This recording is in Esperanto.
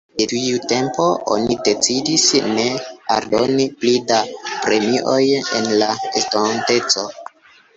Je tiu tempo, oni decidis ne aldoni pli da premioj en la estonteco.